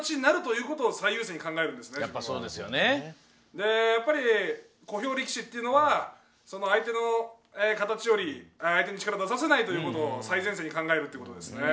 でやっぱり小兵力士っていうのはその相手の形より相手に力を出させないということを最前線に考えるっていうことですね。